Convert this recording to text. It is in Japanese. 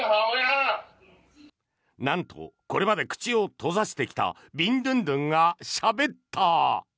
なんとこれまで口を閉ざしてきたビンドゥンドゥンがしゃべった！